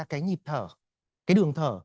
cái nhịp thở cái đường thở